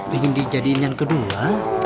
pengen dijadiin yang kedua